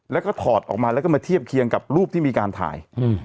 แล้วก็ถอดออกมาแล้วก็มาเทียบเคียงกับรูปที่มีการถ่าย